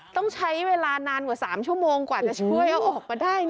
ต้องใช้เวลานานกว่า๓ชั่วโมงกว่าจะช่วยเอาออกมาได้